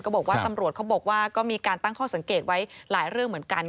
บอกว่าตำรวจเขาบอกว่าก็มีการตั้งข้อสังเกตไว้หลายเรื่องเหมือนกัน